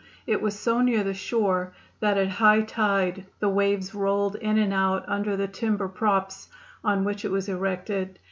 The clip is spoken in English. It was so near the shore that at high tide the waves rolled in and out under the timber props on which it was erected.